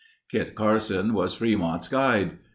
Kit Carson was Fremont's guide.